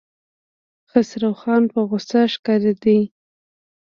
خسروخان په غوسه ښکارېده.